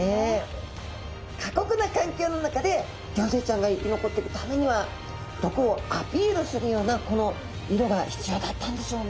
過酷な環境の中でギョンズイちゃんが生き残っていくためには毒をアピールするようなこの色が必要だったんでしょうね。